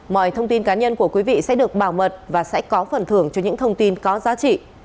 mọi thông tin cá nhân của quý vị sẽ được bảo mật và sẽ có phần thưởng cho những thông tin có giá trị